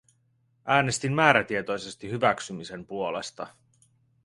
Äänestin määrätietoisesti hyväksymisen puolesta.